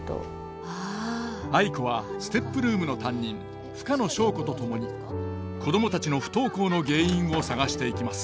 藍子はＳＴＥＰルームの担任深野祥子と共に子供たちの不登校の原因を探していきます。